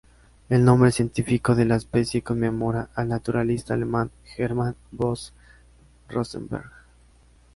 El nombre científico de la especie conmemora al naturalista alemán Hermann von Rosenberg.